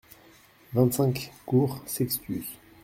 vingt-cinq cours Sextius